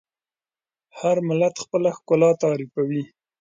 هر ملت خپله ښکلا تعریفوي.